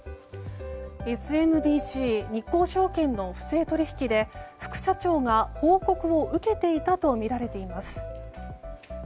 ＳＭＢＣ日興証券の不正取引で副社長が報告を受けていたとみられています。